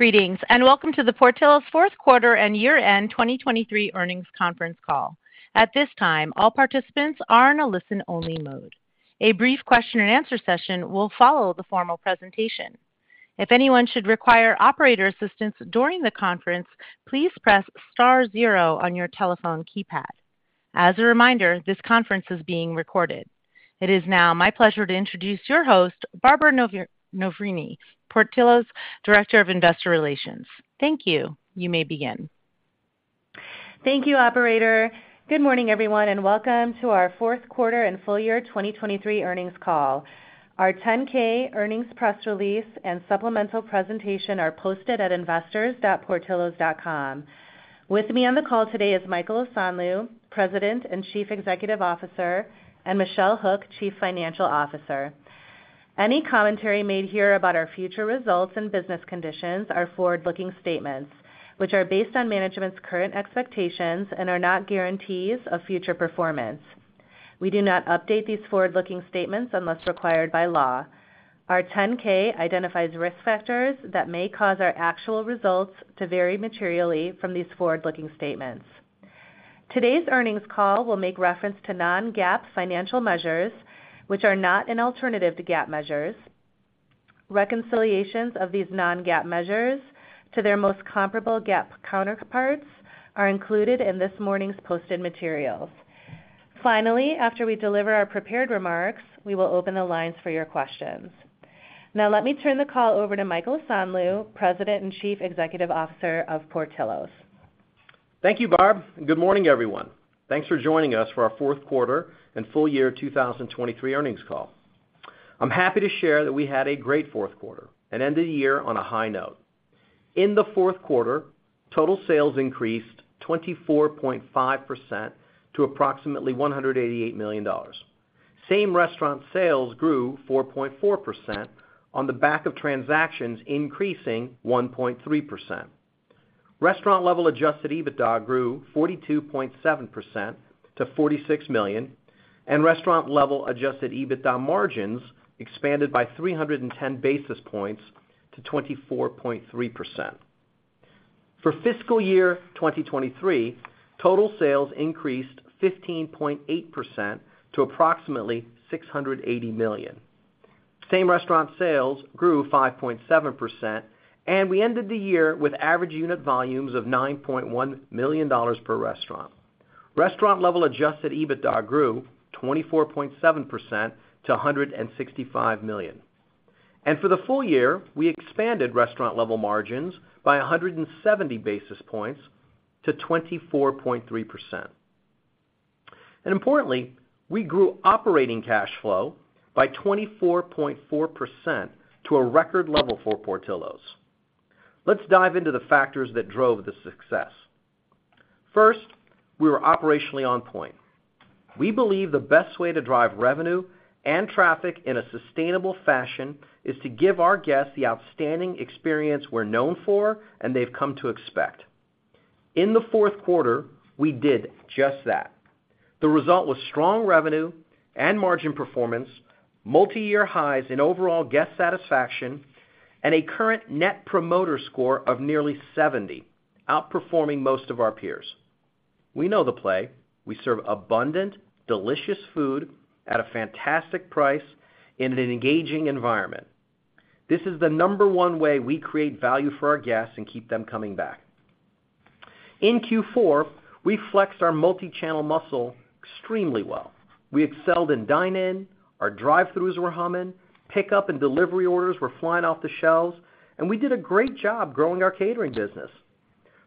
Greetings and welcome to the Portillo's fourth quarter and year-end 2023 earnings conference call. At this time, all participants are in a listen-only mode. A brief question-and-answer session will follow the formal presentation. If anyone should require operator assistance during the conference, please press star zero on your telephone keypad. As a reminder, this conference is being recorded. It is now my pleasure to introduce your host, Barbara Noverini, Portillo's Director of Investor Relations. Thank you. You may begin. Thank you, operator. Good morning, everyone, and welcome to our fourth quarter and full-year 2023 earnings call. Our 10-K earnings press release and supplemental presentation are posted at investors.portillos.com. With me on the call today is Michael Osanloo, President and Chief Executive Officer, and Michelle Hook, Chief Financial Officer. Any commentary made here about our future results and business conditions are forward-looking statements, which are based on management's current expectations and are not guarantees of future performance. We do not update these forward-looking statements unless required by law. Our 10-K identifies risk factors that may cause our actual results to vary materially from these forward-looking statements. Today's earnings call will make reference to Non-GAAP financial measures, which are not an alternative to GAAP measures. Reconciliations of these Non-GAAP measures to their most comparable GAAP counterparts are included in this morning's posted materials. Finally, after we deliver our prepared remarks, we will open the lines for your questions. Now let me turn the call over to Michael Osanloo, President and Chief Executive Officer of Portillo's. Thank you, Barb. Good morning, everyone. Thanks for joining us for our fourth quarter and full-year 2023 earnings call. I'm happy to share that we had a great fourth quarter and ended the year on a high note. In the fourth quarter, total sales increased 24.5% to approximately $188 million. Same restaurant sales grew 4.4% on the back of transactions increasing 1.3%. Restaurant-level adjusted EBITDA grew 42.7% to $46 million, and restaurant-level adjusted EBITDA margins expanded by 310 basis points to 24.3%. For fiscal year 2023, total sales increased 15.8% to approximately $680 million. Same restaurant sales grew 5.7%, and we ended the year with average unit volumes of $9.1 million per restaurant. Restaurant-level adjusted EBITDA grew 24.7% to $165 million. For the full year, we expanded restaurant-level margins by 170 basis points to 24.3%. Importantly, we grew operating cash flow by 24.4% to a record level for Portillo's. Let's dive into the factors that drove the success. First, we were operationally on point. We believe the best way to drive revenue and traffic in a sustainable fashion is to give our guests the outstanding experience we're known for and they've come to expect. In the fourth quarter, we did just that. The result was strong revenue and margin performance, multi-year highs in overall guest satisfaction, and a current Net Promoter Score of nearly 70, outperforming most of our peers. We know the play. We serve abundant, delicious food at a fantastic price in an engaging environment. This is the number one way we create value for our guests and keep them coming back. In Q4, we flexed our multi-channel muscle extremely well. We excelled in dine-in, our drive-throughs were humming, pickup and delivery orders were flying off the shelves, and we did a great job growing our catering business.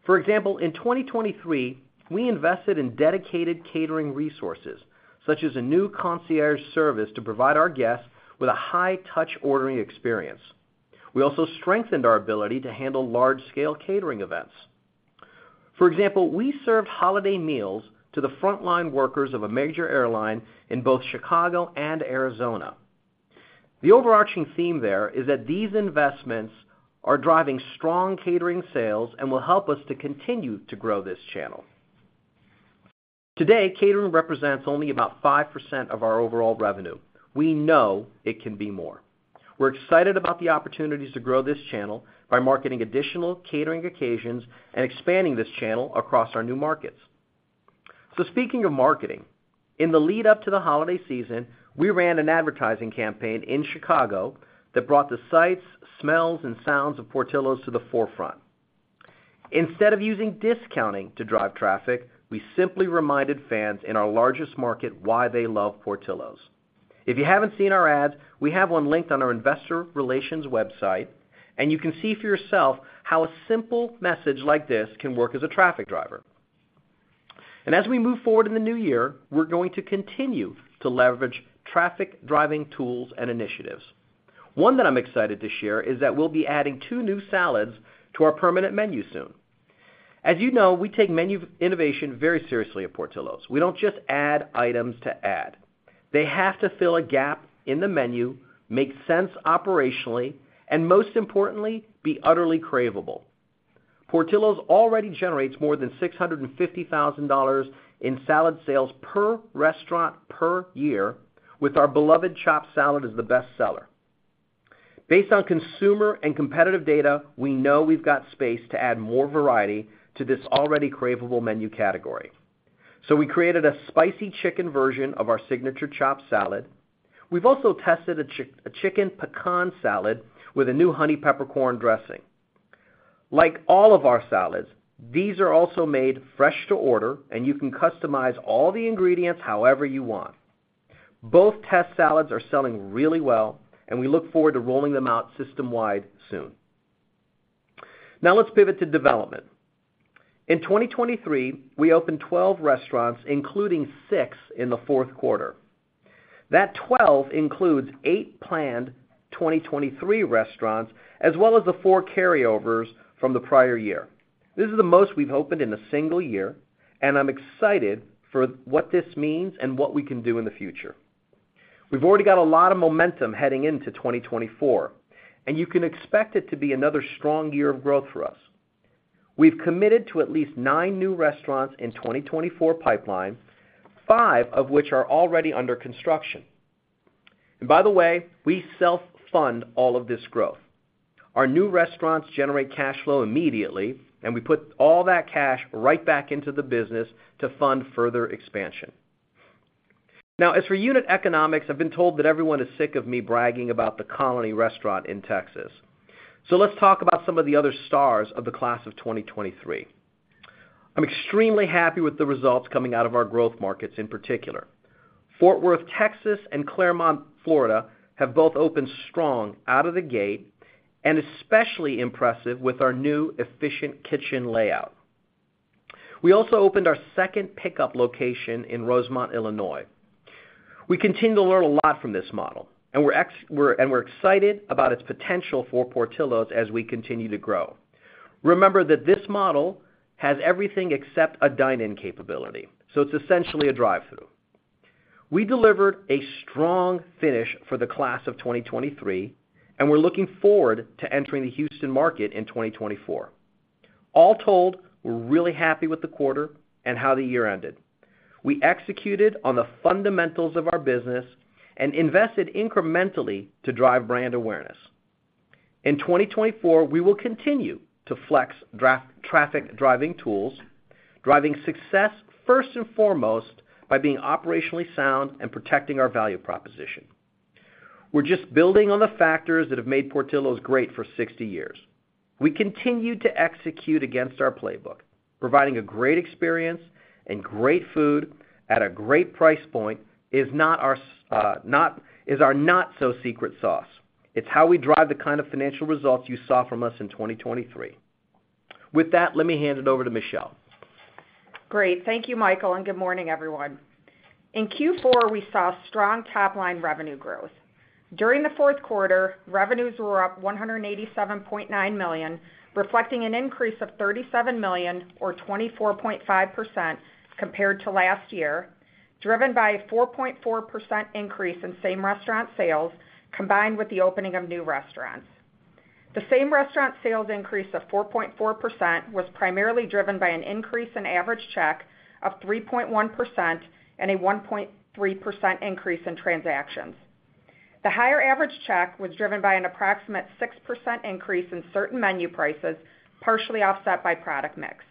For example, in 2023, we invested in dedicated catering resources, such as a new concierge service to provide our guests with a high-touch ordering experience. We also strengthened our ability to handle large-scale catering events. For example, we served holiday meals to the frontline workers of a major airline in both Chicago and Arizona. The overarching theme there is that these investments are driving strong catering sales and will help us to continue to grow this channel. Today, catering represents only about 5% of our overall revenue. We know it can be more. We're excited about the opportunities to grow this channel by marketing additional catering occasions and expanding this channel across our new markets. Speaking of marketing, in the lead-up to the holiday season, we ran an advertising campaign in Chicago that brought the sights, smells, and sounds of Portillo's to the forefront. Instead of using discounting to drive traffic, we simply reminded fans in our largest market why they love Portillo's. If you haven't seen our ads, we have one linked on our investor relations website, and you can see for yourself how a simple message like this can work as a traffic driver. As we move forward in the new year, we're going to continue to leverage traffic-driving tools and initiatives. One that I'm excited to share is that we'll be adding two new salads to our permanent menu soon. As you know, we take menu innovation very seriously at Portillo's. We don't just add items to add. They have to fill a gap in the menu, make sense operationally, and most importantly, be utterly craveable. Portillo's already generates more than $650,000 in salad sales per restaurant per year, with our beloved chopped salad as the best seller. Based on consumer and competitive data, we know we've got space to add more variety to this already craveable menu category. So we created a spicy chicken version of our signature chopped salad. We've also tested a chicken pecan salad with a new honey peppercorn dressing. Like all of our salads, these are also made fresh to order, and you can customize all the ingredients however you want. Both test salads are selling really well, and we look forward to rolling them out system-wide soon. Now let's pivot to development. In 2023, we opened 12 restaurants, including six in the fourth quarter. That 12 includes eight planned 2023 restaurants as well as the four carryovers from the prior year. This is the most we've opened in a single year, and I'm excited for what this means and what we can do in the future. We've already got a lot of momentum heading into 2024, and you can expect it to be another strong year of growth for us. We've committed to at least nine new restaurants in 2024 pipeline, five of which are already under construction. And by the way, we self-fund all of this growth. Our new restaurants generate cash flow immediately, and we put all that cash right back into the business to fund further expansion. Now, as for unit economics, I've been told that everyone is sick of me bragging about The Colony restaurant in Texas. Let's talk about some of the other stars of the class of 2023. I'm extremely happy with the results coming out of our growth markets in particular. Fort Worth, Texas, and Clermont, Florida have both opened strong out of the gate and especially impressive with our new efficient kitchen layout. We also opened our second pickup location in Rosemont, Illinois. We continue to learn a lot from this model, and we're excited about its potential for Portillo's as we continue to grow. Remember that this model has everything except a dine-in capability, so it's essentially a drive-thru. We delivered a strong finish for the class of 2023, and we're looking forward to entering the Houston market in 2024. All told, we're really happy with the quarter and how the year ended. We executed on the fundamentals of our business and invested incrementally to drive brand awareness. In 2024, we will continue to flex traffic-driving tools, driving success first and foremost by being operationally sound and protecting our value proposition. We're just building on the factors that have made Portillo's great for 60 years. We continue to execute against our playbook. Providing a great experience and great food at a great price point is our not-so-secret sauce. It's how we drive the kind of financial results you saw from us in 2023. With that, let me hand it over to Michelle. Great. Thank you, Michael, and good morning, everyone. In Q4, we saw strong top-line revenue growth. During the fourth quarter, revenues were up $187.9 million, reflecting an increase of $37 million or 24.5% compared to last year, driven by a 4.4% increase in same restaurant sales combined with the opening of new restaurants. The same restaurant sales increase of 4.4% was primarily driven by an increase in average check of 3.1% and a 1.3% increase in transactions. The higher average check was driven by an approximate 6% increase in certain menu prices, partially offset by product mix.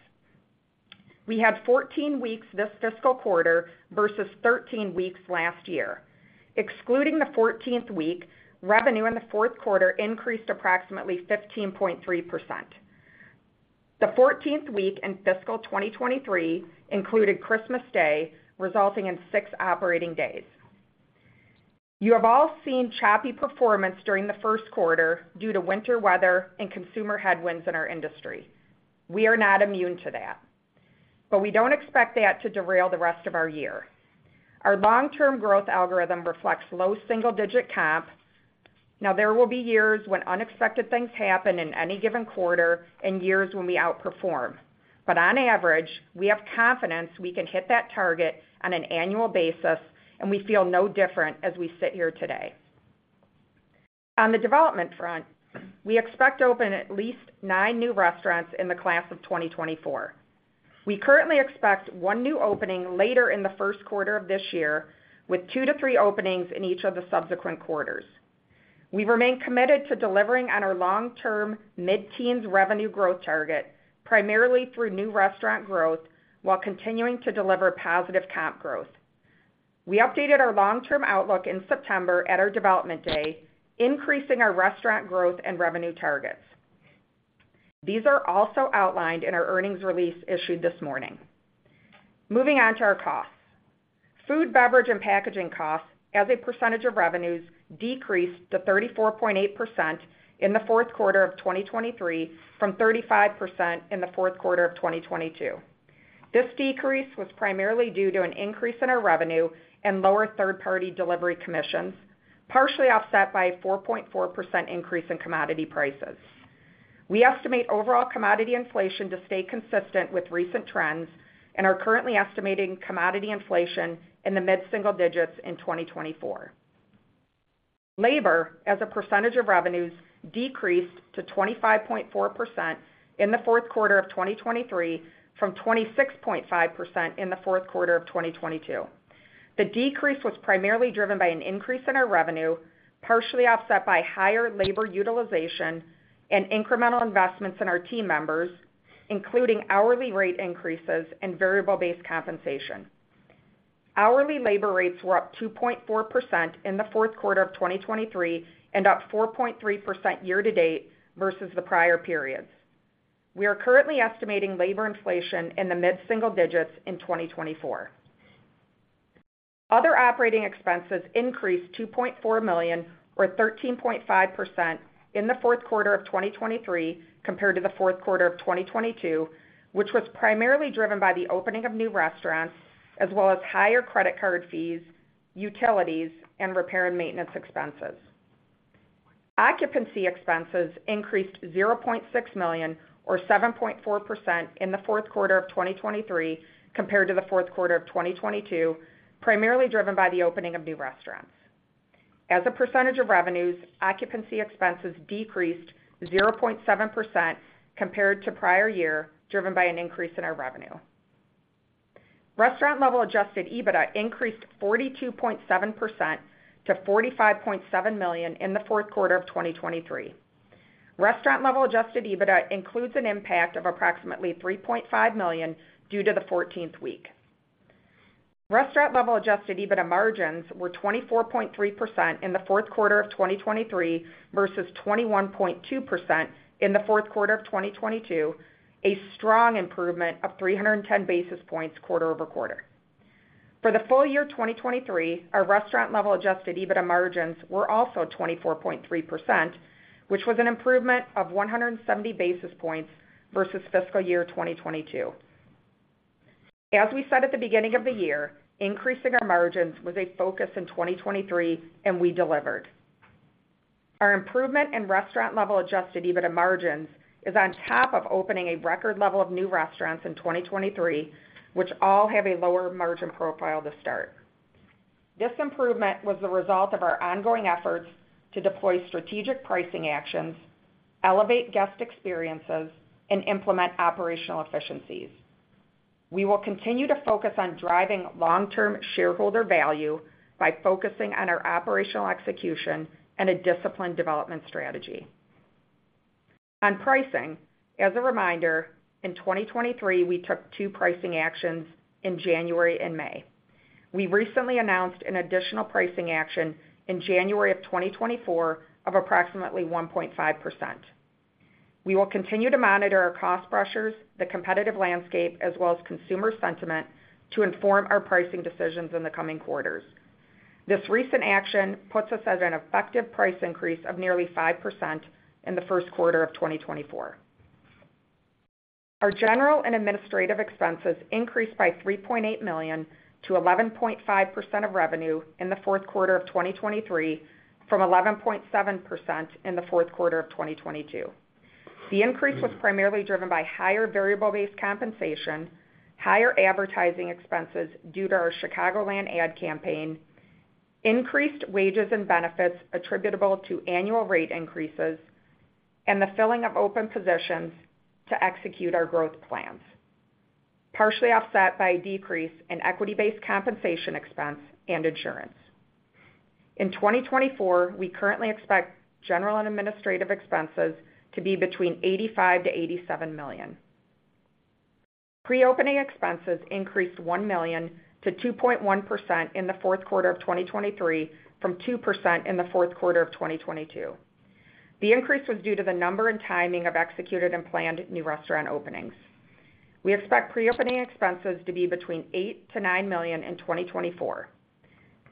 We had 14 weeks this fiscal quarter versus 13 weeks last year. Excluding the 14th week, revenue in the fourth quarter increased approximately 15.3%. The 14th week in fiscal 2023 included Christmas Day, resulting in six operating days. You have all seen choppy performance during the first quarter due to winter weather and consumer headwinds in our industry. We are not immune to that, but we don't expect that to derail the rest of our year. Our long-term growth algorithm reflects low single-digit comp. Now, there will be years when unexpected things happen in any given quarter and years when we outperform. But on average, we have confidence we can hit that target on an annual basis, and we feel no different as we sit here today. On the development front, we expect to open at least nine new restaurants in the class of 2024. We currently expect 1 new opening later in the first quarter of this year, with two to three openings in each of the subsequent quarters. We remain committed to delivering on our long-term mid-teens revenue growth target, primarily through new restaurant growth while continuing to deliver positive comp growth. We updated our long-term outlook in September at our development day, increasing our restaurant growth and revenue targets. These are also outlined in our earnings release issued this morning. Moving on to our costs. Food, beverage, and packaging costs, as a percentage of revenues, decreased to 34.8% in the fourth quarter of 2023 from 35% in the fourth quarter of 2022. This decrease was primarily due to an increase in our revenue and lower third-party delivery commissions, partially offset by a 4.4% increase in commodity prices. We estimate overall commodity inflation to stay consistent with recent trends and are currently estimating commodity inflation in the mid-single digits in 2024. Labor, as a percentage of revenues, decreased to 25.4% in the fourth quarter of 2023 from 26.5% in the fourth quarter of 2022. The decrease was primarily driven by an increase in our revenue, partially offset by higher labor utilization and incremental investments in our team members, including hourly rate increases and variable-based compensation. Hourly labor rates were up 2.4% in the fourth quarter of 2023 and up 4.3% year-to-date versus the prior periods. We are currently estimating labor inflation in the mid-single digits in 2024. Other operating expenses increased $2.4 million or 13.5% in the fourth quarter of 2023 compared to the fourth quarter of 2022, which was primarily driven by the opening of new restaurants as well as higher credit card fees, utilities, and repair and maintenance expenses. Occupancy expenses increased $0.6 million or 7.4% in the fourth quarter of 2023 compared to the fourth quarter of 2022, primarily driven by the opening of new restaurants. As a percentage of revenues, occupancy expenses decreased 0.7% compared to prior year, driven by an increase in our revenue. Restaurant-level adjusted EBITDA increased 42.7% to $45.7 million in the fourth quarter of 2023. Restaurant-level adjusted EBITDA includes an impact of approximately $3.5 million due to the 14th week. Restaurant-level adjusted EBITDA margins were 24.3% in the fourth quarter of 2023 versus 21.2% in the fourth quarter of 2022, a strong improvement of 310 basis points quarter-over-quarter. For the full year 2023, our restaurant-level adjusted EBITDA margins were also 24.3%, which was an improvement of 170 basis points versus fiscal year 2022. As we said at the beginning of the year, increasing our margins was a focus in 2023, and we delivered. Our improvement in restaurant-level Adjusted EBITDA margins is on top of opening a record level of new restaurants in 2023, which all have a lower margin profile to start. This improvement was the result of our ongoing efforts to deploy strategic pricing actions, elevate guest experiences, and implement operational efficiencies. We will continue to focus on driving long-term shareholder value by focusing on our operational execution and a disciplined development strategy. On pricing, as a reminder, in 2023, we took two pricing actions in January and May. We recently announced an additional pricing action in January of 2024 of approximately 1.5%. We will continue to monitor our cost pressures, the competitive landscape, as well as consumer sentiment to inform our pricing decisions in the coming quarters. This recent action puts us at an effective price increase of nearly 5% in the first quarter of 2024. Our general and administrative expenses increased by $3.8 million to 11.5% of revenue in the fourth quarter of 2023 from 11.7% in the fourth quarter of 2022. The increase was primarily driven by higher variable-based compensation, higher advertising expenses due to our Chicagoland ad campaign, increased wages and benefits attributable to annual rate increases, and the filling of open positions to execute our growth plans, partially offset by a decrease in equity-based compensation expense and insurance. In 2024, we currently expect general and administrative expenses to be between $85 million-$87 million. Pre-opening Expenses increased $1 million to 2.1% in the fourth quarter of 2023 from 2% in the fourth quarter of 2022. The increase was due to the number and timing of executed and planned new restaurant openings. We expect pre-opening expenses to be between $8 million-$9 million in 2024.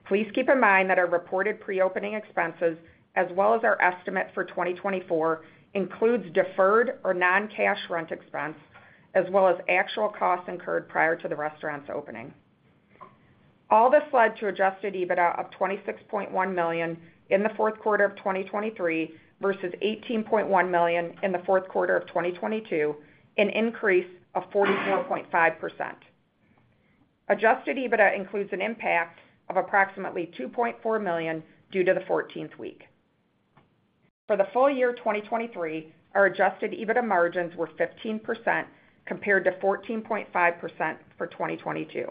Please keep in mind that our reported pre-opening expenses, as well as our estimate for 2024, includes deferred or non-cash rent expense as well as actual costs incurred prior to the restaurants opening. All this led to Adjusted EBITDA of $26.1 million in the fourth quarter of 2023 versus $18.1 million in the fourth quarter of 2022, an increase of 44.5%. Adjusted EBITDA includes an impact of approximately $2.4 million due to the 14th week. For the full year 2023, our Adjusted EBITDA margins were 15% compared to 14.5% for 2022.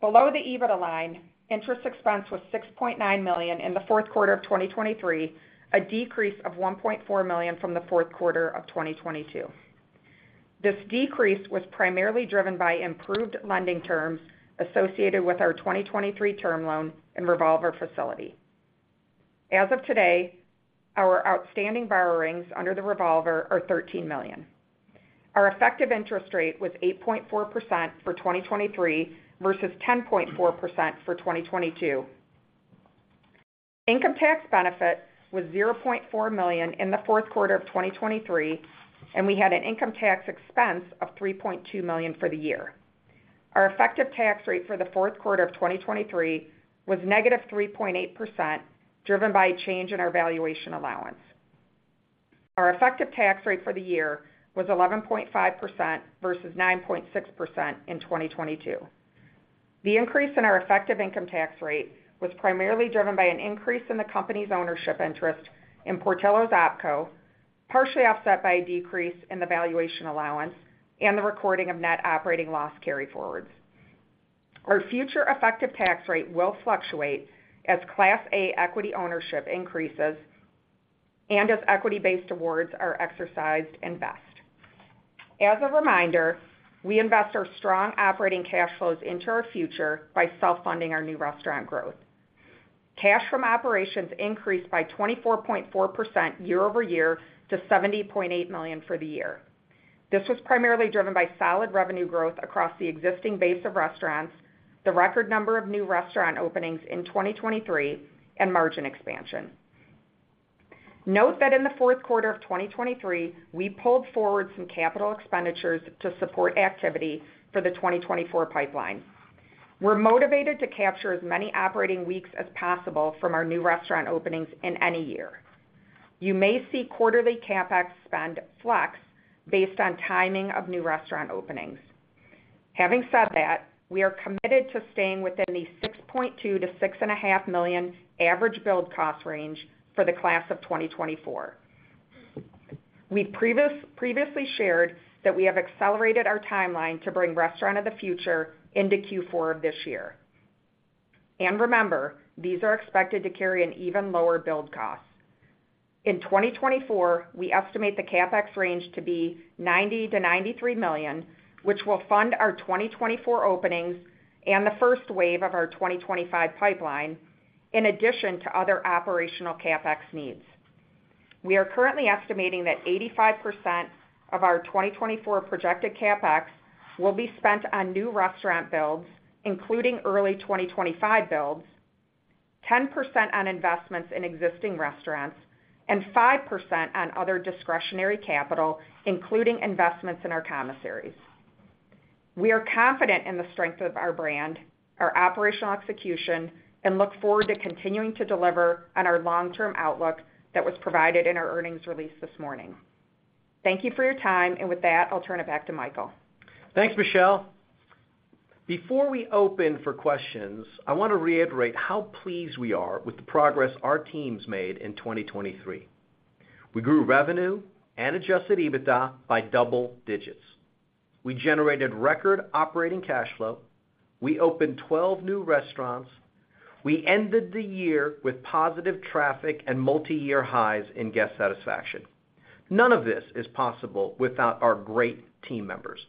Below the EBITDA line, interest expense was $6.9 million in the fourth quarter of 2023, a decrease of $1.4 million from the fourth quarter of 2022. This decrease was primarily driven by improved lending terms associated with our 2023 Term Loan and revolver facility. As of today, our outstanding borrowings under the revolver are $13 million. Our effective interest rate was 8.4% for 2023 versus 10.4% for 2022. Income tax benefit was $0.4 million in the fourth quarter of 2023, and we had an income tax expense of $3.2 million for the year. Our effective tax rate for the fourth quarter of 2023 was -3.8%, driven by a change in our valuation allowance. Our effective tax rate for the year was 11.5% versus 9.6% in 2022. The increase in our effective income tax rate was primarily driven by an increase in the company's ownership interest in Portillo's OpCo, partially offset by a decrease in the valuation allowance and the recording of net operating loss carryforwards. Our future effective tax rate will fluctuate as Class A equity ownership increases and as equity-based awards are exercised and vest. As a reminder, we invest our strong operating cash flows into our future by self-funding our new restaurant growth. Cash from operations increased by 24.4% year-over-year to $70.8 million for the year. This was primarily driven by solid revenue growth across the existing base of restaurants, the record number of new restaurant openings in 2023, and margin expansion. Note that in the fourth quarter of 2023, we pulled forward some capital expenditures to support activity for the 2024 pipeline. We're motivated to capture as many operating weeks as possible from our new restaurant openings in any year. You may see quarterly CapEx spend flex based on timing of new restaurant openings. Having said that, we are committed to staying within the $6.2 million-$6.5 million average build cost range for the class of 2024. We've previously shared that we have accelerated our timeline to bring Restaurant of the Future into Q4 of this year. And remember, these are expected to carry an even lower build cost. In 2024, we estimate the CapEx range to be $90 million-$93 million, which will fund our 2024 openings and the first wave of our 2025 pipeline, in addition to other operational CapEx needs. We are currently estimating that 85% of our 2024 projected CapEx will be spent on new restaurant builds, including early 2025 builds, 10% on investments in existing restaurants, and 5% on other discretionary capital, including investments in our commissaries. We are confident in the strength of our brand, our operational execution, and look forward to continuing to deliver on our long-term outlook that was provided in our earnings release this morning. Thank you for your time, and with that, I'll turn it back to Michael. Thanks, Michelle. Before we open for questions, I want to reiterate how pleased we are with the progress our team's made in 2023. We grew revenue and Adjusted EBITDA by double digits. We generated record operating cash flow. We opened 12 new restaurants. We ended the year with positive traffic and multi-year highs in guest satisfaction. None of this is possible without our great team members.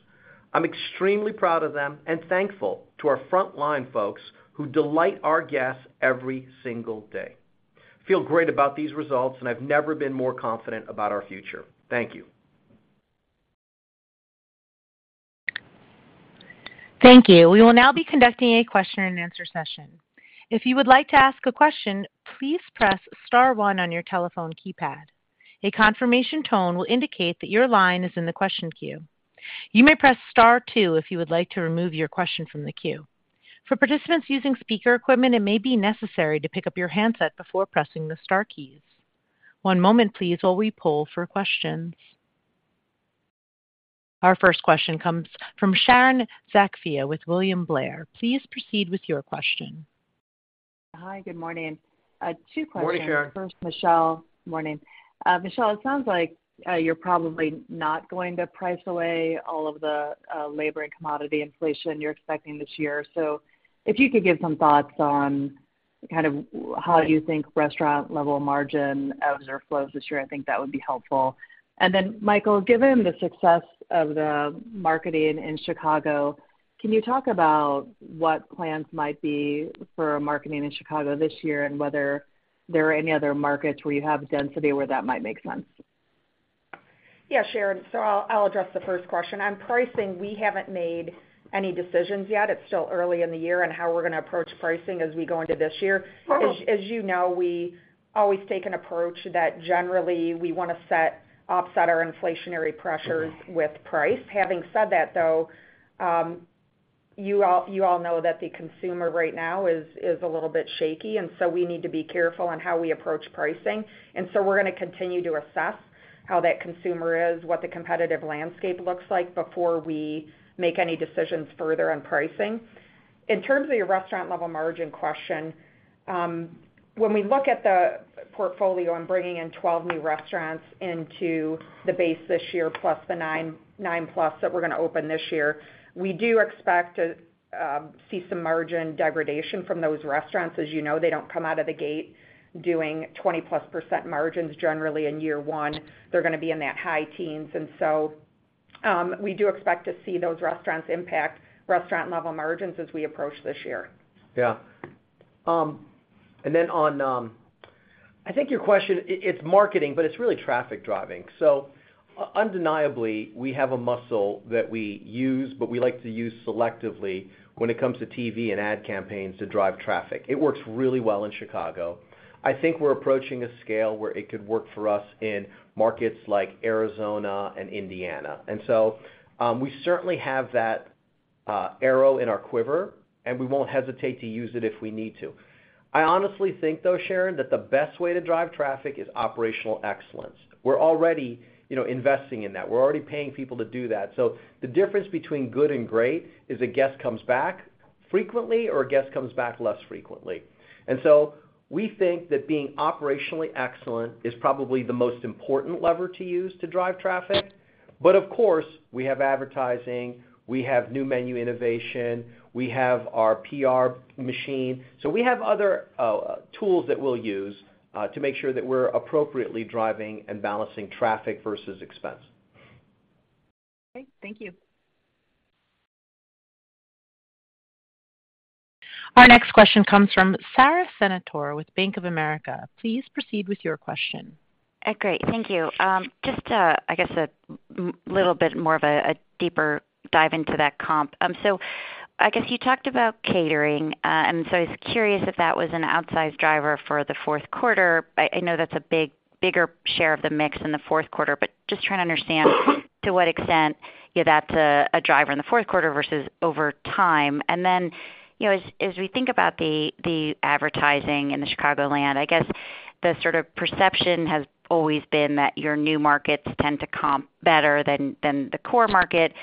I'm extremely proud of them and thankful to our frontline folks who delight our guests every single day. Feel great about these results, and I've never been more confident about our future. Thank you. Thank you. We will now be conducting a question-and-answer session. If you would like to ask a question, please press star 1 on your telephone keypad. A confirmation tone will indicate that your line is in the question queue. You may press star two if you would like to remove your question from the queue. For participants using speaker equipment, it may be necessary to pick up your handset before pressing the star keys. One moment, please, while we pull for questions. Our first question comes from Sharon Zackfia with William Blair. Please proceed with your question. Hi, good morning. Two questions. Morning, Sharon. First, Michelle. Morning. Michelle, it sounds like you're probably not going to price away all of the labor and commodity inflation you're expecting this year. So if you could give some thoughts on kind of how you think restaurant-level margin ebbs or flows this year, I think that would be helpful. And then, Michael, given the success of the marketing in Chicago, can you talk about what plans might be for marketing in Chicago this year and whether there are any other markets where you have density where that might make sense? Yeah, Sharon. I'll address the first question. On pricing, we haven't made any decisions yet. It's still early in the year, and how we're going to approach pricing as we go into this year. As you know, we always take an approach that generally we want to offset our inflationary pressures with price. Having said that, though, you all know that the consumer right now is a little bit shaky, and so we need to be careful on how we approach pricing. We're going to continue to assess how that consumer is, what the competitive landscape looks like before we make any decisions further on pricing. In terms of your restaurant-level margin question, when we look at the portfolio and bringing in 12 new restaurants into the base this year, plus the 9+ that we're going to open this year, we do expect to see some margin degradation from those restaurants. As you know, they don't come out of the gate doing 20+% margins generally in year one. They're going to be in that high teens. And so we do expect to see those restaurants impact restaurant-level margins as we approach this year. Yeah. And then on I think your question, it's marketing, but it's really traffic driving. So undeniably, we have a muscle that we use, but we like to use selectively when it comes to TV and ad campaigns to drive traffic. It works really well in Chicago. I think we're approaching a scale where it could work for us in markets like Arizona and Indiana. And so we certainly have that arrow in our quiver, and we won't hesitate to use it if we need to. I honestly think, though, Sharon, that the best way to drive traffic is operational excellence. We're already investing in that. We're already paying people to do that. So the difference between good and great is a guest comes back frequently or a guest comes back less frequently. And so we think that being operationally excellent is probably the most important lever to use to drive traffic. But of course, we have advertising. We have new menu innovation. We have our PR machine. So we have other tools that we'll use to make sure that we're appropriately driving and balancing traffic versus expense. Okay. Thank you. Our next question comes from Sarah Senatore with Bank of America. Please proceed with your question. Great. Thank you. Just, I guess, a little bit more of a deeper dive into that comp. So I guess you talked about catering. And so I was curious if that was an outsized driver for the fourth quarter. I know that's a bigger share of the mix in the fourth quarter, but just trying to understand to what extent that's a driver in the fourth quarter versus over time. And then as we think about the advertising in the Chicagoland, I guess the sort of perception has always been that your new markets tend to comp better than the core market.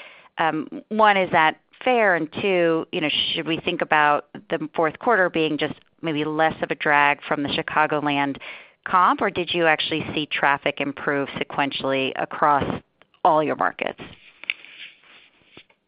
One, is that fair? And two, should we think about the fourth quarter being just maybe less of a drag from the Chicagoland comp, or did you actually see traffic improve sequentially across all your markets?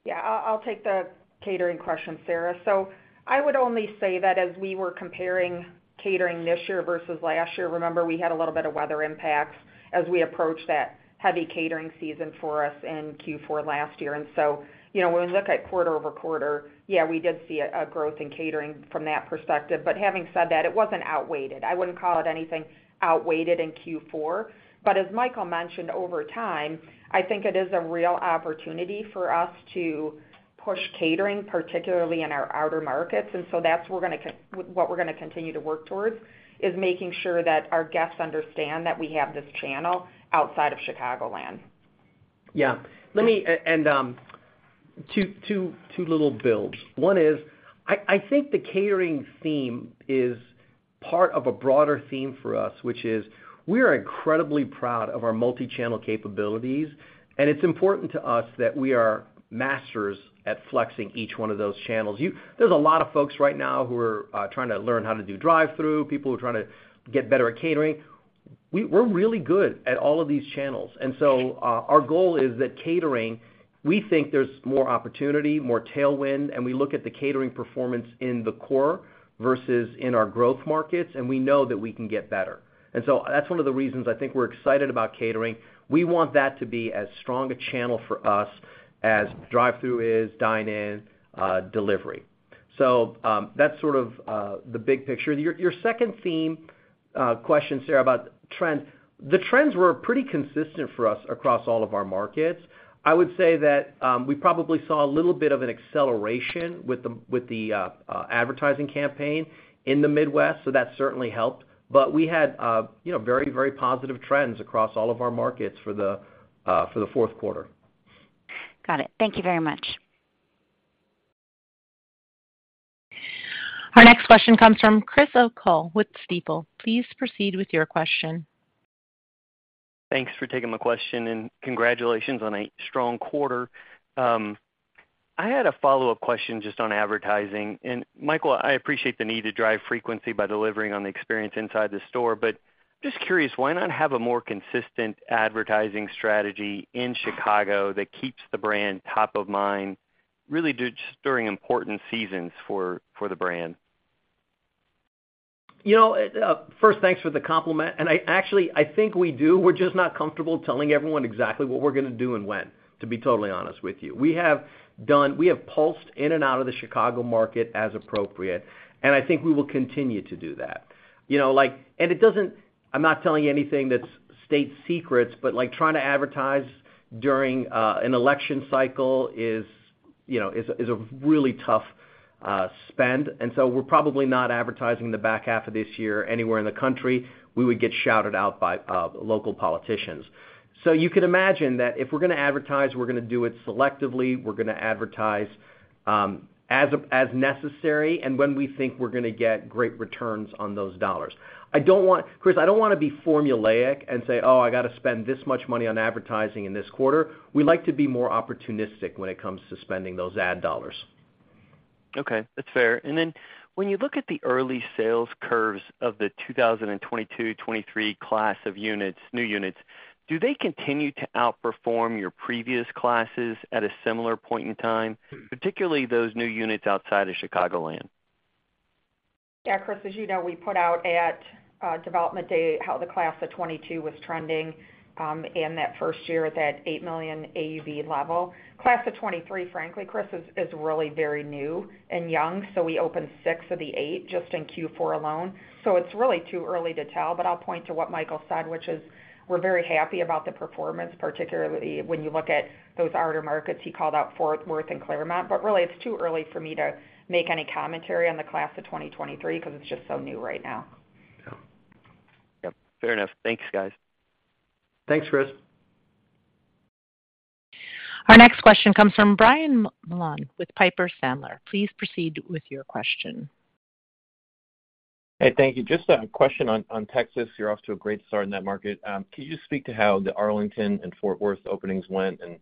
Yeah. I'll take the catering question, Sarah. So I would only say that as we were comparing catering this year versus last year, remember, we had a little bit of weather impacts as we approached that heavy catering season for us in Q4 last year. And so when we look at quarter-over-quarter, yeah, we did see a growth in catering from that perspective. But having said that, it wasn't outweighted. I wouldn't call it anything outweighted in Q4. But as Michael mentioned, over time, I think it is a real opportunity for us to push catering, particularly in our outer markets. And so that's what we're going to continue to work towards, is making sure that our guests understand that we have this channel outside of Chicagoland. Yeah. And two little builds. One is, I think the catering theme is part of a broader theme for us, which is we're incredibly proud of our multi-channel capabilities, and it's important to us that we are masters at flexing each one of those channels. There's a lot of folks right now who are trying to learn how to do drive-through, people who are trying to get better at catering. We're really good at all of these channels. And so our goal is that catering, we think there's more opportunity, more tailwind, and we look at the catering performance in the core versus in our growth markets, and we know that we can get better. And so that's one of the reasons I think we're excited about catering. We want that to be as strong a channel for us as drive-through is, dine-in, delivery. So that's sort of the big picture. Your second theme question, Sarah, about trends, the trends were pretty consistent for us across all of our markets. I would say that we probably saw a little bit of an acceleration with the advertising campaign in the Midwest, so that certainly helped. But we had very, very positive trends across all of our markets for the fourth quarter. Got it. Thank you very much. Our next question comes from Chris O'Cull with Stifel. Please proceed with your question. Thanks for taking my question, and congratulations on a strong quarter. I had a follow-up question just on advertising. Michael, I appreciate the need to drive frequency by delivering on the experience inside the store, but I'm just curious, why not have a more consistent advertising strategy in Chicago that keeps the brand top of mind, really just during important seasons for the brand? First, thanks for the compliment. Actually, I think we do. We're just not comfortable telling everyone exactly what we're going to do and when, to be totally honest with you. We have pulsed in and out of the Chicago market as appropriate, and I think we will continue to do that. I'm not telling you anything that's state secrets, but trying to advertise during an election cycle is a really tough spend. So we're probably not advertising in the back half of this year anywhere in the country. We would get shouted out by local politicians. So you can imagine that if we're going to advertise, we're going to do it selectively. We're going to advertise as necessary and when we think we're going to get great returns on those dollars. Chris, I don't want to be formulaic and say, "Oh, I got to spend this much money on advertising in this quarter." We like to be more opportunistic when it comes to spending those ad dollars. Okay. That's fair. And then when you look at the early sales curves of the 2022-2023 class of units, new units, do they continue to outperform your previous classes at a similar point in time, particularly those new units outside of Chicagoland? Yeah. Chris, as you know, we put out at Development Day how the class of 2022 was trending in that first year at that $8 million AUV level. Class of 2023, frankly, Chris, is really very new and young, so we opened six of the eight just in Q4 alone. So it's really too early to tell. But I'll point to what Michael said, which is we're very happy about the performance, particularly when you look at those outer markets. He called out Fort Worth and Clermont. But really, it's too early for me to make any commentary on the Class of 2023 because it's just so new right now. Yeah. Yep. Fair enough. Thanks, guys. Thanks, Chris. Our next question comes from Brian Mullan with Piper Sandler. Please proceed with your question. Hey, thank you. Just a question on Texas. You're off to a great start in that market. Can you speak to how the Arlington and Fort Worth openings went? And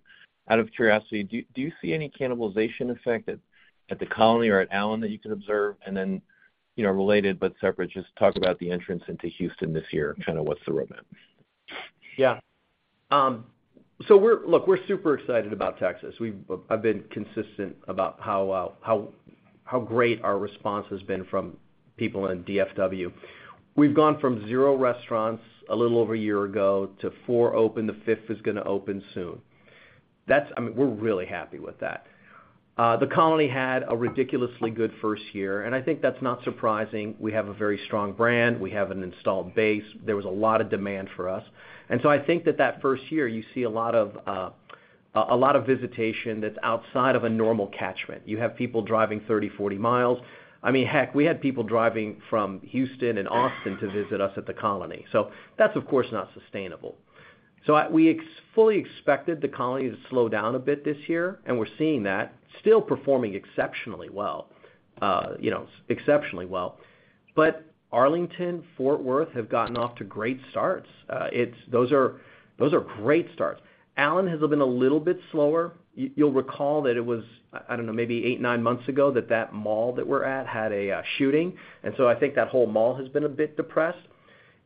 out of curiosity, do you see any cannibalization effect at The Colony or at Allen that you could observe? And then related but separate, just talk about the entrance into Houston this year. Kind of what's the roadmap? Yeah. So look, we're super excited about Texas. I've been consistent about how great our response has been from people in DFW. We've gone from zero restaurants a little over a year ago to four open. The fifth is going to open soon. I mean, we're really happy with that. The Colony had a ridiculously good first year, and I think that's not surprising. We have a very strong brand. We have an installed base. There was a lot of demand for us. And so I think that that first year, you see a lot of visitation that's outside of a normal catchment. You have people driving 30 miles, 40 miles. I mean, heck, we had people driving from Houston and Austin to visit us at The Colony. So that's, of course, not sustainable. So we fully expected The Colony to slow down a bit this year, and we're seeing that, still performing exceptionally well. Exceptionally well. But Arlington, Fort Worth have gotten off to great starts. Those are great starts. Allen has been a little bit slower. You'll recall that it was, I don't know, maybe eight, nine months ago that that mall that we're at had a shooting. And so I think that whole mall has been a bit depressed.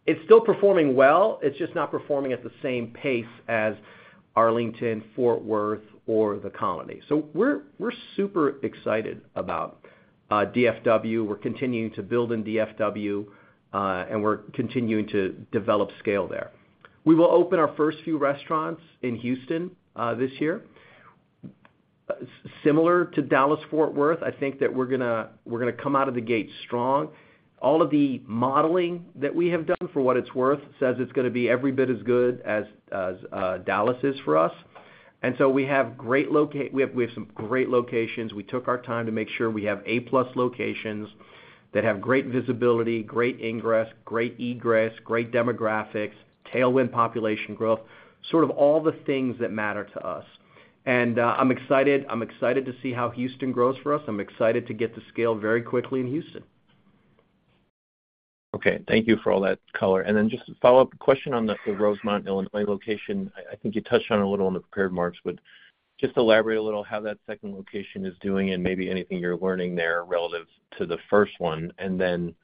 It's still performing well. It's just not performing at the same pace as Arlington, Fort Worth, or The Colony. So we're super excited about DFW. We're continuing to build in DFW, and we're continuing to develop scale there. We will open our first few restaurants in Houston this year. Similar to Dallas, Fort Worth, I think that we're going to come out of the gate strong. All of the modeling that we have done for what it's worth says it's going to be every bit as good as Dallas is for us. And so we have some great locations. We took our time to make sure we have A-plus locations that have great visibility, great ingress, great egress, great demographics, tailwind population growth, sort of all the things that matter to us. And I'm excited. I'm excited to see how Houston grows for us. I'm excited to get to scale very quickly in Houston. Okay. Thank you for all that color. And then just a follow-up question on the Rosemont, Illinois location. I think you touched on it a little in the prepared remarks, but just elaborate a little how that second location is doing and maybe anything you're learning there relative to the first one. And then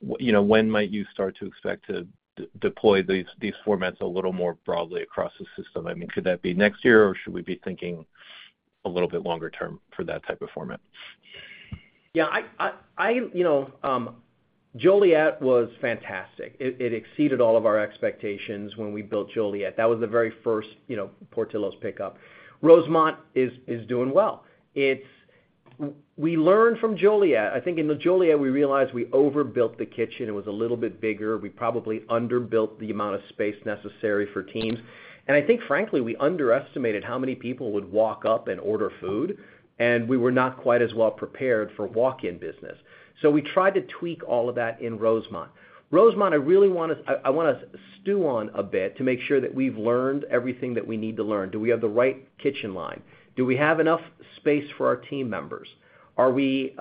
when might you start to expect to deploy these formats a little more broadly across the system? I mean, could that be next year, or should we be thinking a little bit longer term for that type of format? Yeah. Joliet was fantastic. It exceeded all of our expectations when we built Joliet. That was the very first Portillo's Pickup. Rosemont is doing well. We learned from Joliet. I think in the Joliet, we realized we overbuilt the kitchen. It was a little bit bigger. We probably underbuilt the amount of space necessary for teams. And I think, frankly, we underestimated how many people would walk up and order food, and we were not quite as well prepared for walk-in business. So we tried to tweak all of that in Rosemont. Rosemont, I really want to I want to stew on a bit to make sure that we've learned everything that we need to learn. Do we have the right kitchen line? Do we have enough space for our team members? Are we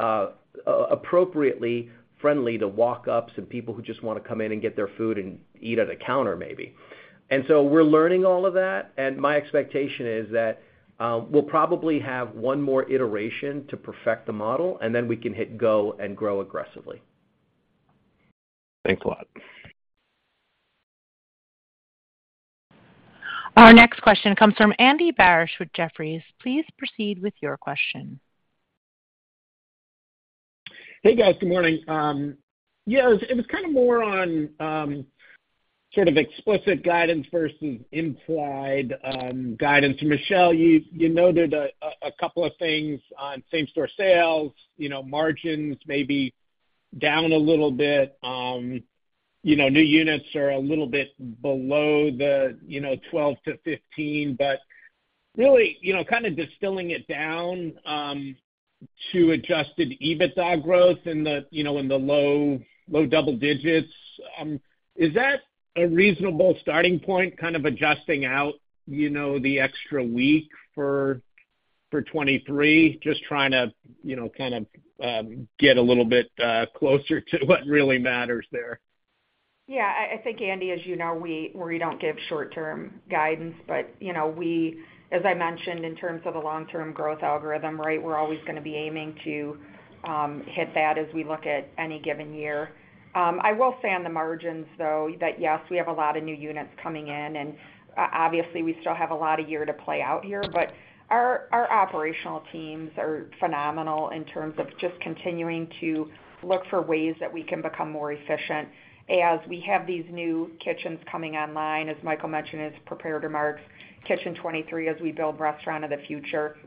appropriately friendly to walk-ups and people who just want to come in and get their food and eat at a counter, maybe? And so we're learning all of that, and my expectation is that we'll probably have one more iteration to perfect the model, and then we can hit go and grow aggressively. Thanks a lot. Our next question comes from Andy Barish with Jefferies. Please proceed with your question. Hey, guys. Good morning. Yeah. It was kind of more on sort of explicit guidance versus implied guidance. Michelle, you noted a couple of things on same-store sales, margins maybe down a little bit. New units are a little bit below the 12 New Units-15 New Units, but really kind of distilling it down to Adjusted EBITDA growth in the low double digits. Is that a reasonable starting point, kind of adjusting out the extra week for 2023, just trying to kind of get a little bit closer to what really matters there? Yeah. I think, Andy, as you know, we don't give short-term guidance. But as I mentioned, in terms of a long-term growth algorithm, right, we're always going to be aiming to hit that as we look at any given year. I will say on the margins, though, that yes, we have a lot of new units coming in, and obviously, we still have a lot of year to play out here. But our operational teams are phenomenal in terms of just continuing to look for ways that we can become more efficient as we have these new kitchens coming online, as Michael mentioned in his prepared remarks, Kitchen 23 as we build Restaurant of the Future.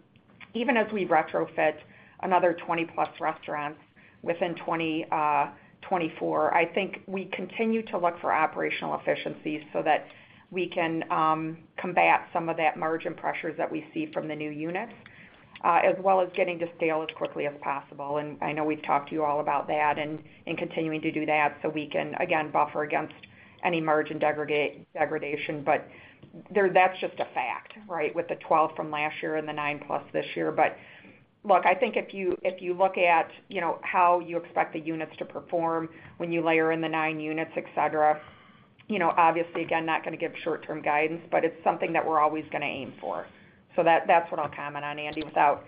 Even as we retrofit another 20+ restaurants within 2024, I think we continue to look for operational efficiencies so that we can combat some of that margin pressure that we see from the new units, as well as getting to scale as quickly as possible. And I know we've talked to you all about that and continuing to do that so we can, again, buffer against any margin degradation. But that's just a fact, right, with the 12 from last year and the 9+ this year. But look, I think if you look at how you expect the units to perform when you layer in the 9 units, etc., obviously, again, not going to give short-term guidance, but it's something that we're always going to aim for. So that's what I'll comment on, Andy, without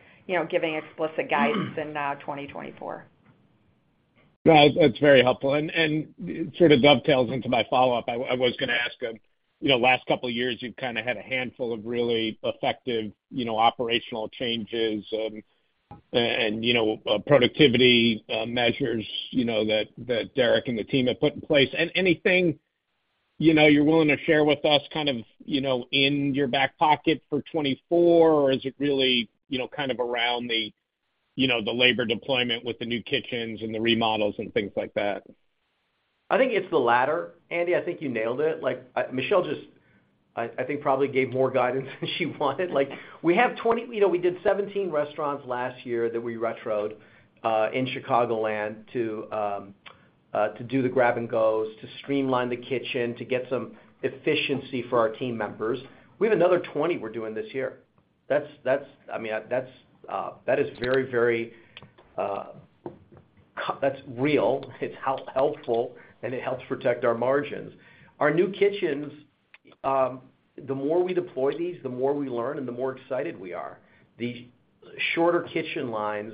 giving explicit guidance in 2024. Yeah. That's very helpful. And it sort of dovetails into my follow-up. I was going to ask, last couple of years, you've kind of had a handful of really effective operational changes and productivity measures that Derrick and the team have put in place. Anything you're willing to share with us kind of in your back pocket for 2024, or is it really kind of around the labor deployment with the new kitchens and the remodels and things like that? I think it's the latter, Andy. I think you nailed it. Michelle just, I think, probably gave more guidance than she wanted. We have 20 we did 17 restaurants last year that we retro'd in Chicagoland to do the grab-and-goes, to streamline the kitchen, to get some efficiency for our team members. We have another 20 we're doing this year. I mean, that is very, very that's real. It's helpful, and it helps protect our margins. Our new kitchens, the more we deploy these, the more we learn and the more excited we are. The shorter kitchen lines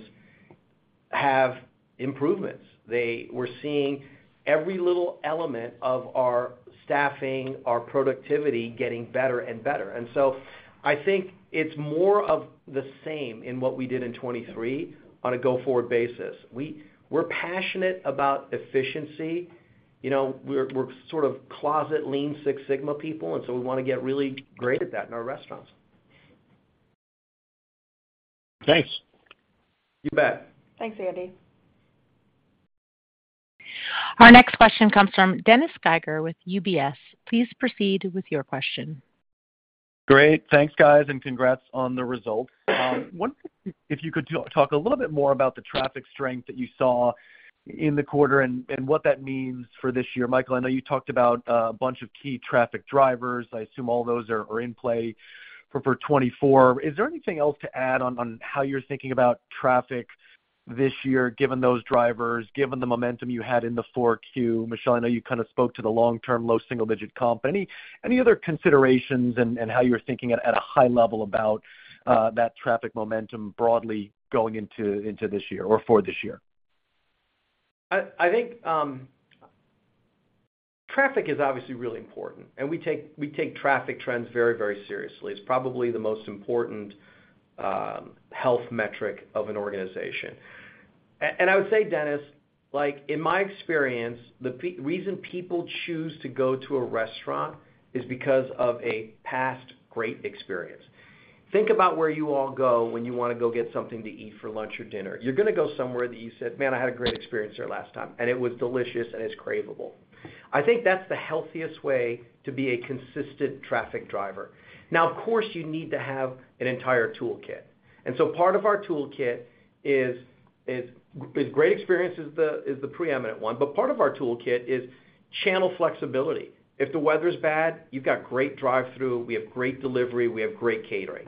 have improvements. We're seeing every little element of our staffing, our productivity getting better and better. And so I think it's more of the same in what we did in 2023 on a go-forward basis. We're passionate about efficiency. We're sort of closet Lean Six Sigma people, and so we want to get really great at that in our restaurants. Thanks. You bet. Thanks, Andy. Our next question comes from Dennis Geiger with UBS. Please proceed with your question. Great. Thanks, guys, and congrats on the results. If you could talk a little bit more about the traffic strength that you saw in the quarter and what that means for this year. Michael, I know you talked about a bunch of key traffic drivers. I assume all those are in play for 2024. Is there anything else to add on how you're thinking about traffic this year, given those drivers, given the momentum you had in the 4Q? Michelle, I know you kind of spoke to the long-term, low single-digit comp. Any other considerations and how you're thinking at a high level about that traffic momentum broadly going into this year or for this year? I think traffic is obviously really important, and we take traffic trends very, very seriously. It's probably the most important health metric of an organization. And I would say, Dennis, in my experience, the reason people choose to go to a restaurant is because of a past great experience. Think about where you all go when you want to go get something to eat for lunch or dinner. You're going to go somewhere that you said, "Man, I had a great experience there last time, and it was delicious, and it's cravable." I think that's the healthiest way to be a consistent traffic driver. Now, of course, you need to have an entire toolkit. And so part of our toolkit is great experience is the preeminent one, but part of our toolkit is channel flexibility. If the weather's bad, you've got great drive-through. We have great delivery. We have great catering.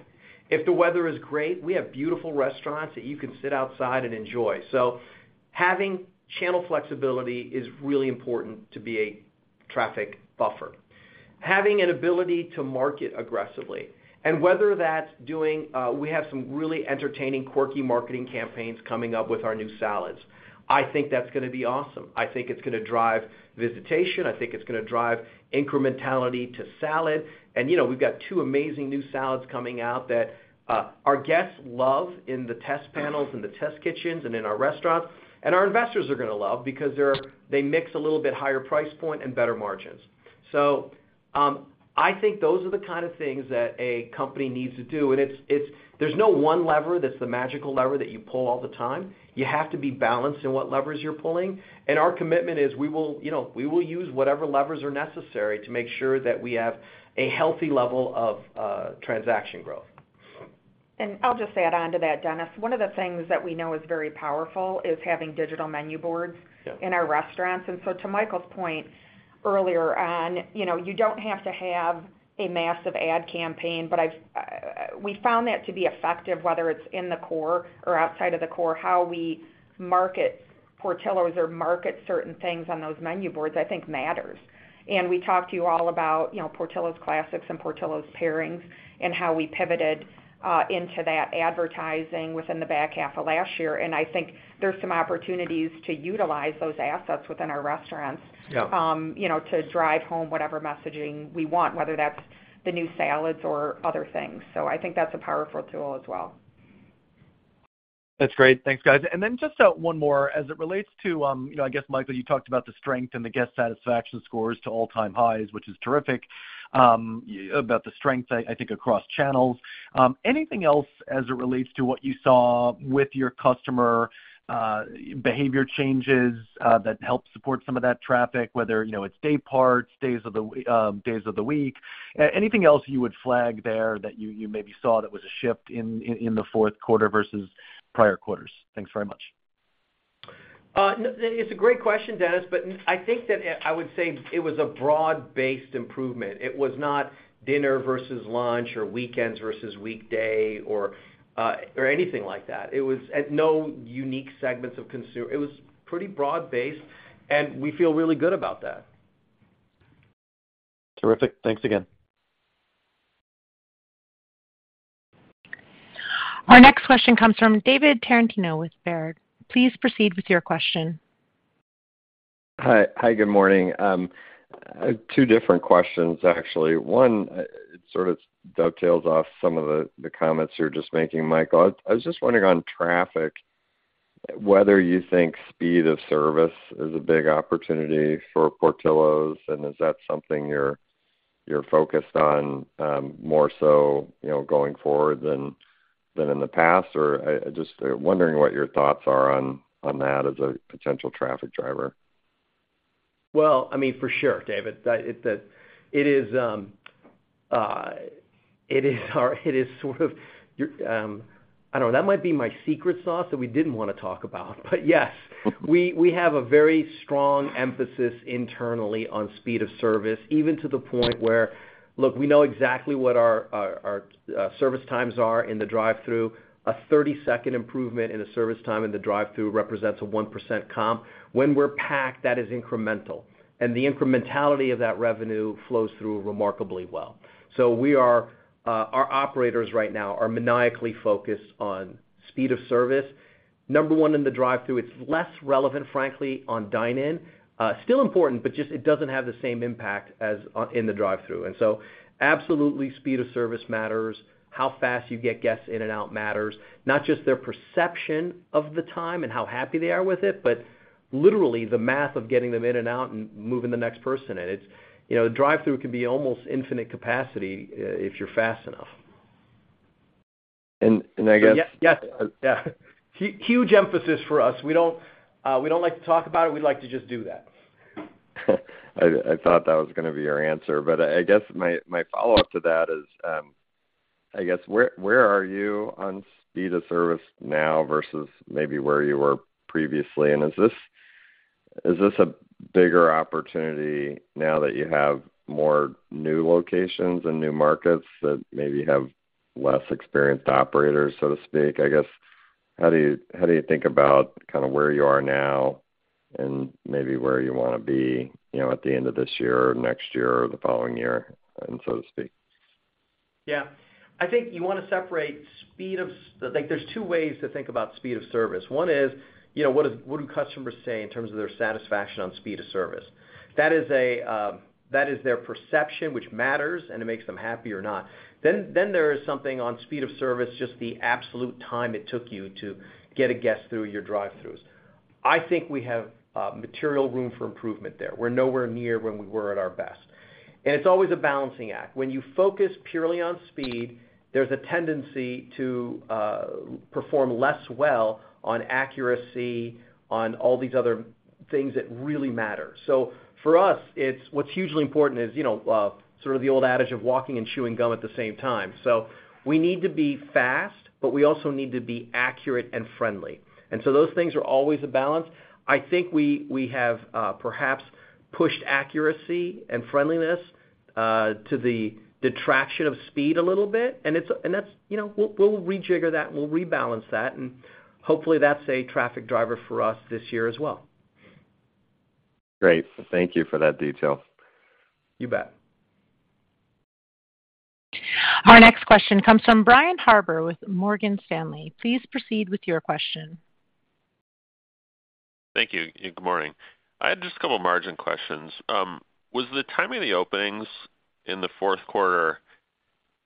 If the weather is great, we have beautiful restaurants that you can sit outside and enjoy. So having channel flexibility is really important to be a traffic buffer. Having an ability to market aggressively. And whether that's doing we have some really entertaining, quirky marketing campaigns coming up with our new salads. I think that's going to be awesome. I think it's going to drive visitation. I think it's going to drive incrementality to salad. And we've got two amazing new salads coming out that our guests love in the test panels and the test kitchens and in our restaurants. And our investors are going to love because they mix a little bit higher price point and better margins. So I think those are the kind of things that a company needs to do. And there's no one lever that's the magical lever that you pull all the time. You have to be balanced in what levers you're pulling. And our commitment is we will use whatever levers are necessary to make sure that we have a healthy level of transaction growth. And I'll just add on to that, Dennis. One of the things that we know is very powerful is having digital menu boards in our restaurants. And so to Michael's point earlier on, you don't have to have a massive ad campaign, but we found that to be effective, whether it's in the core or outside of the core. How we market Portillo's or market certain things on those menu boards, I think, matters. We talked to you all about Portillo's Classics and Portillo's Pairings and how we pivoted into that advertising within the back half of last year. I think there's some opportunities to utilize those assets within our restaurants to drive home whatever messaging we want, whether that's the new salads or other things. So I think that's a powerful tool as well. That's great. Thanks, guys. Then just one more. As it relates to I guess, Michael, you talked about the strength and the guest satisfaction scores to all-time highs, which is terrific, about the strength, I think, across channels. Anything else as it relates to what you saw with your customer behavior changes that help support some of that traffic, whether it's day parts, days of the week? Anything else you would flag there that you maybe saw that was a shift in the fourth quarter versus prior quarters? Thanks very much. It's a great question, Dennis, but I think that I would say it was a broad-based improvement. It was not dinner versus lunch or weekends versus weekday or anything like that. It was no unique segments of consumer. It was pretty broad-based, and we feel really good about that. Terrific. Thanks again. Our next question comes from David Tarantino with Baird. Please proceed with your question. Hi. Good morning. Two different questions, actually. One, it sort of dovetails off some of the comments you're just making, Michael. I was just wondering on traffic, whether you think speed of service is a big opportunity for Portillo's, and is that something you're focused on more so going forward than in the past, or just wondering what your thoughts are on that as a potential traffic driver. Well, I mean, for sure, David. It is sort of I don't know. That might be my secret sauce that we didn't want to talk about. But yes, we have a very strong emphasis internally on speed of service, even to the point where look, we know exactly what our service times are in the drive-through. A 30-second improvement in the service time in the drive-through represents a 1% comp. When we're packed, that is incremental, and the incrementality of that revenue flows through remarkably well. So our operators right now are maniacally focused on speed of service. Number one in the drive-through, it's less relevant, frankly, on dine-in. Still important, but just it doesn't have the same impact as in the drive-through. And so absolutely, speed of service matters. How fast you get guests in and out matters, not just their perception of the time and how happy they are with it, but literally the math of getting them in and out and moving the next person in. The drive-through can be almost infinite capacity if you're fast enough. And I guess Yes. Yes. Yeah. Huge emphasis for us. We don't like to talk about it. We'd like to just do that. I thought that was going to be your answer, but I guess my follow-up to that is, I guess, where are you on speed of service now versus maybe where you were previously? And is this a bigger opportunity now that you have more new locations and new markets that maybe have less experienced operators, so to speak? I guess, how do you think about kind of where you are now and maybe where you want to be at the end of this year or next year or the following year, so to speak? Yeah. I think you want to separate speed of service. There's two ways to think about speed of service. One is, what do customers say in terms of their satisfaction on speed of service? That is their perception, which matters, and it makes them happy or not. Then there is something on speed of service, just the absolute time it took you to get a guest through your drive-throughs. I think we have material room for improvement there. We're nowhere near when we were at our best. It's always a balancing act. When you focus purely on speed, there's a tendency to perform less well on accuracy, on all these other things that really matter. For us, what's hugely important is sort of the old adage of walking and chewing gum at the same time. We need to be fast, but we also need to be accurate and friendly. Those things are always a balance. I think we have perhaps pushed accuracy and friendliness to the detraction of speed a little bit, and we'll rejigger that, and we'll rebalance that. Hopefully, that's a traffic driver for us this year as well. Great. Thank you for that detail. You bet. Our next question comes from Brian Harbor with Morgan Stanley. Please proceed with your question. Thank you. Good morning. I had just a couple of margin questions. Was the timing of the openings in the fourth quarter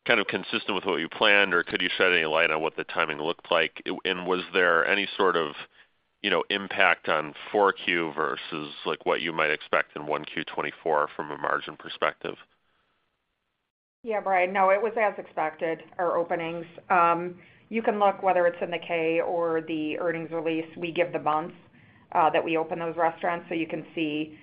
kind of consistent with what you planned, or could you shed any light on what the timing looked like? And was there any sort of impact on 4Q versus what you might expect in 1Q24 from a margin perspective? Yeah, Brian. No, it was as expected, our openings. You can look, whether it's in the K or the earnings release, we give the months that we open those restaurants, so you can see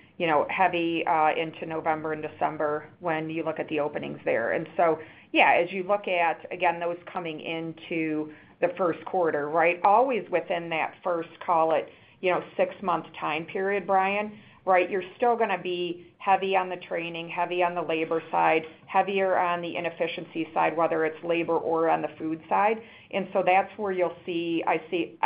heavy into November and December when you look at the openings there. And so yeah, as you look at, again, those coming into the first quarter, right, always within that first, call it, six-month time period, Brian, right, you're still going to be heavy on the training, heavy on the labor side, heavier on the inefficiency side, whether it's labor or on the food side. So that's where you'll see, I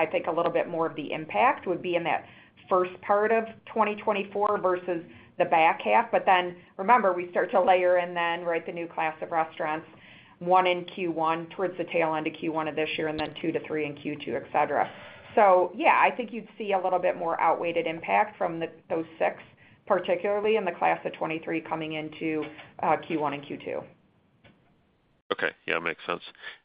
think, a little bit more of the impact would be in that first part of 2024 versus the back half. But then remember, we start to layer in then, right, the new class of restaurants, one in Q1 towards the tail end of Q1 of this year and then two to three in Q2, etc. So yeah, I think you'd see a little bit more outweighed impact from those six, particularly in the class of 2023 coming into Q1 and Q2. Okay. Yeah, makes sense.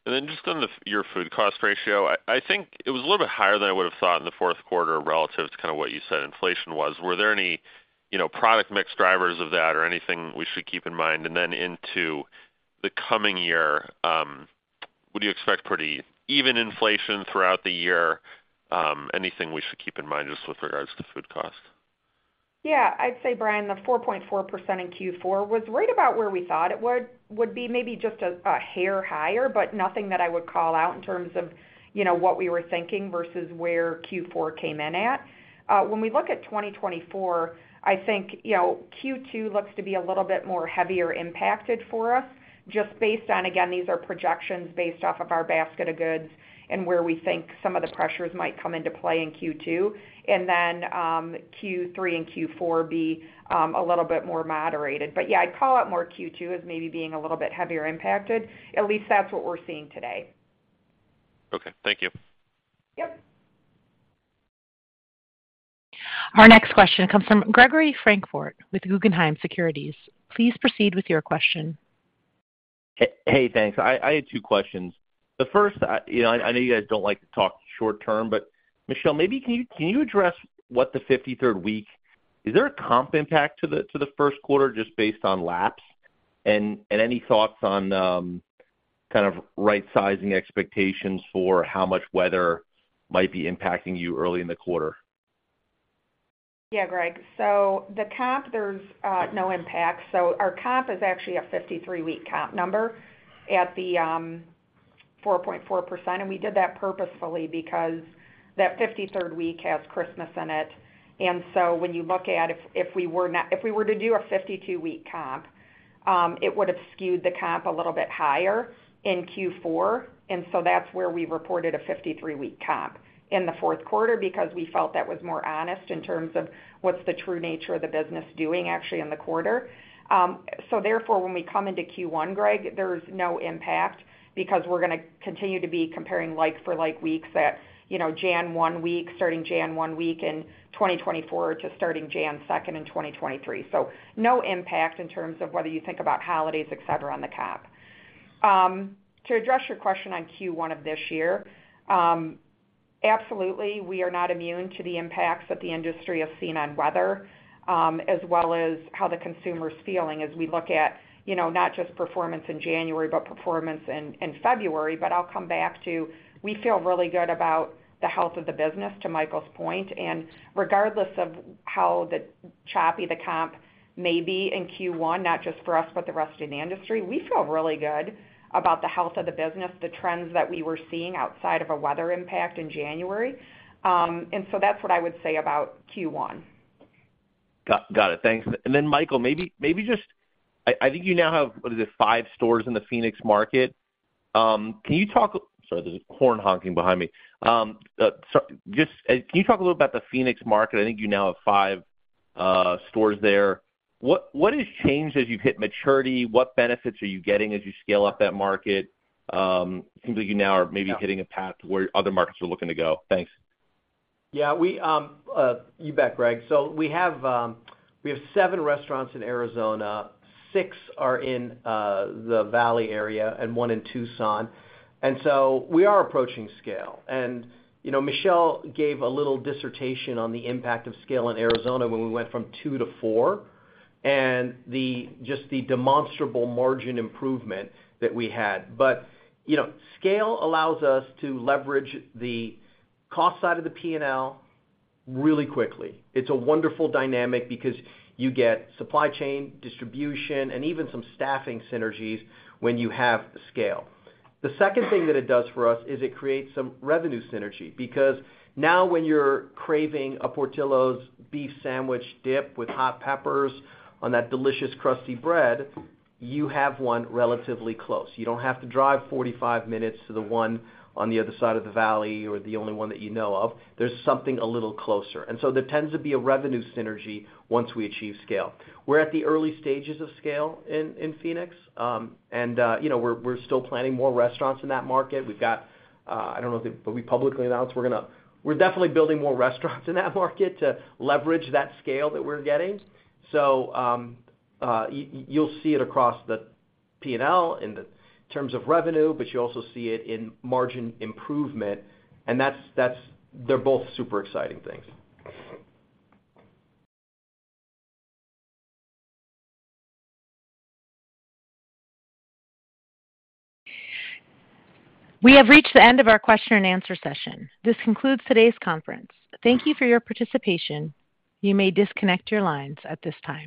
And then just on your food cost ratio, I think it was a little bit higher than I would have thought in the fourth quarter relative to kind of what you said inflation was. Were there any product mix drivers of that or anything we should keep in mind? And then into the coming year, would you expect pretty even inflation throughout the year? Anything we should keep in mind just with regards to food cost? Yeah. I'd say, Brian, the 4.4% in Q4 was right about where we thought it would be, maybe just a hair higher, but nothing that I would call out in terms of what we were thinking versus where Q4 came in at. When we look at 2024, I think Q2 looks to be a little bit more heavier impacted for us just based on again, these are projections based off of our basket of goods and where we think some of the pressures might come into play in Q2, and then Q3 and Q4 be a little bit more moderated. But yeah, I'd call out more Q2 as maybe being a little bit heavier impacted. At least that's what we're seeing today. Okay. Thank you. Yep. Our next question comes from Gregory Frankfort with Guggenheim Securities. Please proceed with your question. Hey, thanks. I had two questions. The first, I know you guys don't like to talk short term, but Michelle, maybe can you address what the 53rd week is. Is there a comp impact to the first quarter just based on laps, and any thoughts on kind of right-sizing expectations for how much weather might be impacting you early in the quarter? Yeah, Greg. So the comp, there's no impact. So our comp is actually a 53-week comp number at the 4.4%, and we did that purposefully because that 53rd week has Christmas in it. And so when you look at if we were not if we were to do a 52-week comp, it would have skewed the comp a little bit higher in Q4. And so that's where we reported a 53-week comp in the fourth quarter because we felt that was more honest in terms of what's the true nature of the business doing actually in the quarter. So therefore, when we come into Q1, Greg, there's no impact because we're going to continue to be comparing like-for-like weeks at January 1st week, starting January 1st week in 2024 to starting January 2nd in 2023. So no impact in terms of whether you think about holidays, etc., on the comp. To address your question on Q1 of this year, absolutely, we are not immune to the impacts that the industry has seen on weather as well as how the consumer's feeling as we look at not just performance in January but performance in February. But I'll come back to we feel really good about the health of the business, to Michael's point. Regardless of how choppy the comp may be in Q1, not just for us but the rest of the industry, we feel really good about the health of the business, the trends that we were seeing outside of a weather impact in January. So that's what I would say about Q1. Got it. Thanks. And then, Michael, maybe just I think you now have what is it, five stores in the Phoenix market. Can you talk sorry, there's a horn honking behind me. Can you talk a little bit about the Phoenix market? I think you now have five stores there. What has changed as you've hit maturity? What benefits are you getting as you scale up that market? It seems like you now are maybe hitting a path where other markets are looking to go. Thanks. Yeah. You bet, Greg. So we have seven restaurants in Arizona. Six are in the Valley area and one in Tucson. So we are approaching scale. Michelle gave a little dissertation on the impact of scale in Arizona when we went from two to four and just the demonstrable margin improvement that we had. But scale allows us to leverage the cost side of the P&L really quickly. It's a wonderful dynamic because you get supply chain, distribution, and even some staffing synergies when you have scale. The second thing that it does for us is it creates some revenue synergy because now when you're craving a Portillo's beef sandwich dip with hot peppers on that delicious, crusty bread, you have one relatively close. You don't have to drive 45 minutes to the one on the other side of the Valley or the only one that you know of. There's something a little closer. There tends to be a revenue synergy once we achieve scale. We're at the early stages of scale in Phoenix, and we're still planning more restaurants in that market. We've publicly announced we're definitely building more restaurants in that market to leverage that scale that we're getting. So you'll see it across the P&L in terms of revenue, but you also see it in margin improvement. And they're both super exciting things. We have reached the end of our question-and-answer session. This concludes today's conference. Thank you for your participation. You may disconnect your lines at this time.